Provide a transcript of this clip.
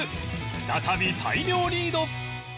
再び大量リード！